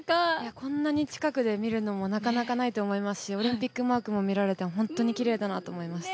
こんなに近くで見るのも、なかなかないと思うし、オリンピックマークも見られてほんとにきれいだなと思いました。